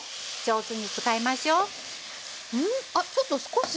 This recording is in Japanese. あっちょっと少し。